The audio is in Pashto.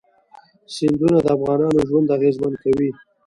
سیندونه د افغانانو ژوند اغېزمن کوي.